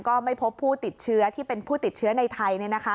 ก็ไม่พบผู้ติดเชื้อที่เป็นผู้ติดเชื้อในไทย